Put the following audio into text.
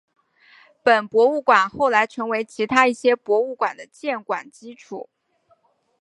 本博物馆后来成为其他一些博物馆的建馆基础。